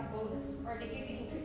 itu bisa memberikan efek yang sangat besar